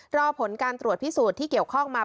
รอผลการตรวจพิสูจน์ที่เกี่ยวข้องมา